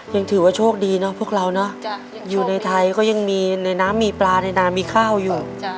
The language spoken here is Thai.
ยังถือว่าโชคดีนะพวกเราเนอะอยู่ในไทยก็ยังมีในน้ำมีปลาในน้ำมีข้าวอยู่